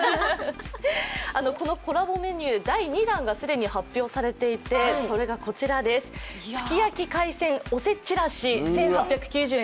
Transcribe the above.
コラボメニュー第２弾が発表されていてそれが、すき焼き海鮮おせちらし１８９０円。